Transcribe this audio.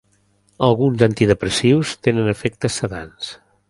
Alguns antidepressius tenen efectes sedants.